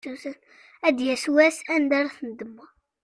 Ad d-yas wass anda ara tendemmeḍ.